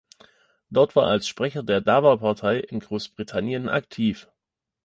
Dort war er als Sprecher der Dawa-Partei in Großbritannien aktiv.